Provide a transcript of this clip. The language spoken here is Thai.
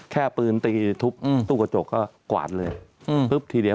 แค่ปืนตีทุบตู้กระจกก็กวาดเลย